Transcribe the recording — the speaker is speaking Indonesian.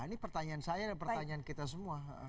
ini pertanyaan saya dan pertanyaan kita semua